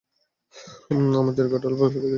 আমরা থিরুক্কাট্টুপল্লী থেকে এসেছি।